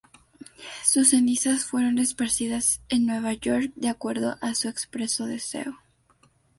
Sus cenizas fueron esparcidas en Nueva York, de acuerdo a su expreso deseo.